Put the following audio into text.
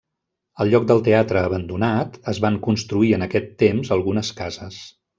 Al lloc del teatre abandonat es van construir en aquest temps algunes cases.